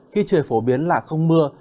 khi trời phổ biến là không mưa